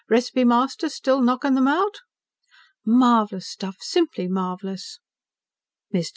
Recipe master still knocking 'em out?" "Marvelous stuff. Simply marvelous." Mr.